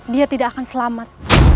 dia tidak akan selamat